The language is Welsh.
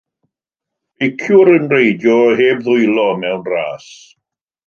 beiciwr yn reidio heb ddwylo mewn ras.